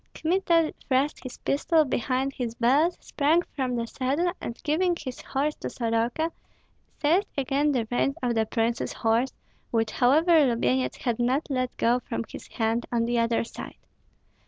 Kmita thrust his pistol behind his belt, sprang from the saddle, and giving his horse to Soroka, seized again the reins of the prince's horse, which however Lubyenyets had not let go from his hand on the other side.